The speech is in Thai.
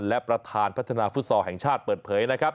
และประธานพัฒนาฟุตซอลแห่งชาติเปิดเผยนะครับ